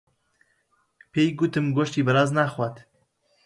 پێی گوتم گۆشتی بەراز ناخوات.